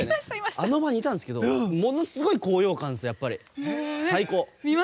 あの場にいたんですけどものすごい高揚感ですよ、最高！